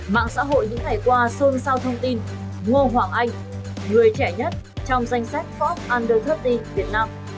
mạng xã hội những ngày qua xôn xao thông tin ngô hoàng anh người trẻ nhất trong danh sách fox under ba mươi việt nam